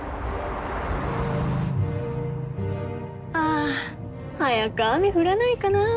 あ早く雨降らないかなぁ。